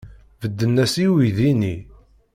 Bedden-as i uydi-nni?